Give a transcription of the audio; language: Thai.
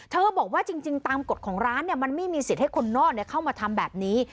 บอกว่าจริงตามกฎของร้านมันไม่มีสิทธิ์ให้คนนอกเข้ามาทำแบบนี้